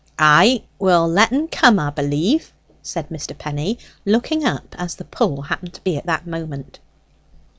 "Ay, we'll let en come, 'a b'lieve," said Mr. Penny, looking up, as the pull happened to be at that moment.